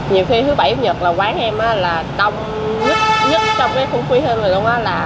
nhiều khi thứ bảy thứ nhật là quán em là đông nhất trong cái khu vực này luôn đó